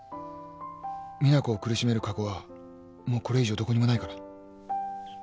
実那子を苦しめる過去はもうこれ以上どこにもないから。